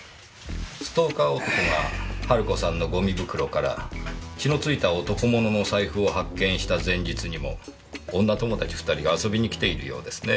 ストーカー男がハル子さんのゴミ袋から血の付いた男物の財布を発見した前日にも女友達２人が遊びに来ているようですねえ。